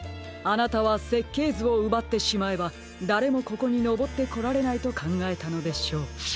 あなたはせっけいずをうばってしまえばだれもここにのぼってこられないとかんがえたのでしょう。